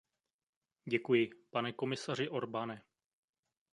Děkuji, pane komisaři Orbane.